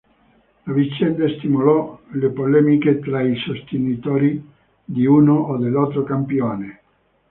La vicenda stimolò le polemiche tra i sostenitori di uno o dell'altro campione.